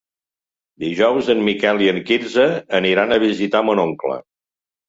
Dijous en Miquel i en Quirze aniran a visitar mon oncle.